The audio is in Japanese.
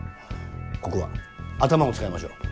ここは頭を使いましょう。